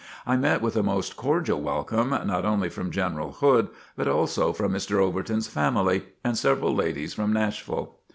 I met with a most cordial welcome, not only from General Hood, but also from Mr. Overton's family and several ladies from Nashville.